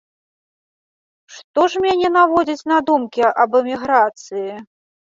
Што ж мяне наводзіць на думкі аб эміграцыі?